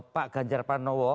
pak ganjar panowo